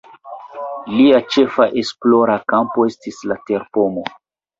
Lia ĉefa esplora kampo estis la terpomo.